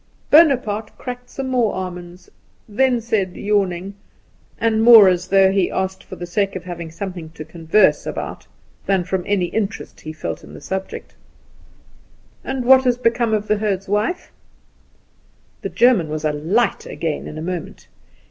Bonaparte cracked some more almonds, then said, yawning, and more as though he asked for the sake of having something to converse about than from any interest he felt in the subject: "And what has become of the herd's wife?" The German was alight again in a moment.